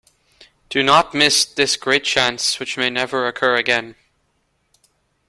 Do not miss this great chance, which may never occur again.